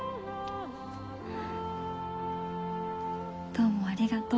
どうもありがとう。